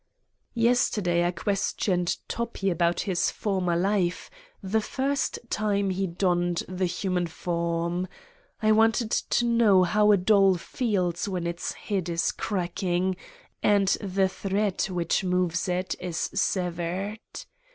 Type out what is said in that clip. Yesterday, I questioned Toppi about his former life, the first time he donned the human form: I wanted to know how a doll feels when its head is cracking and the thread which moves it is severed.